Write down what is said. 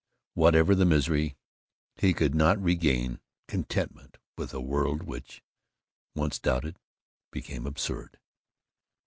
Whatever the misery, he could not regain contentment with a world which, once doubted, became absurd.